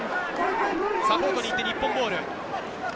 サポートに行って、日本ボール。